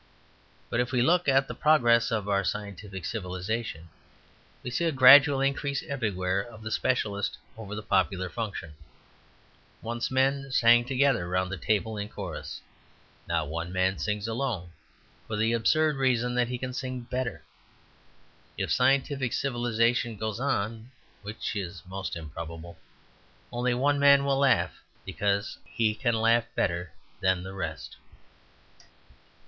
But if we look at the progress of our scientific civilization we see a gradual increase everywhere of the specialist over the popular function. Once men sang together round a table in chorus; now one man sings alone, for the absurd reason that he can sing better. If scientific civilization goes on (which is most improbable) only one man will laugh, because he can laugh better than the rest.